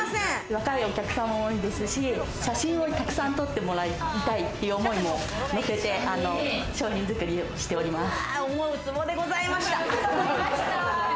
若いお客様も多いですし、写真をたくさん撮ってもらいたいっていう思いものせて商品作りをしております。